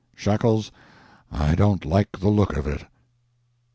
"Shekels, I don't like the look of it."